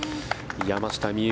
山下美夢